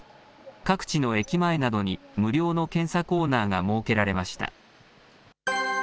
各地の駅前などに、無料の検査コーナーが設けられました。